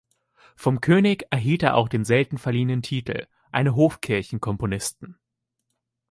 Vom König erhielt er auch den selten verliehenen Titel eine „Hofkirchen-Componisten“.